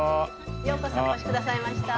ようこそお越しくださいました。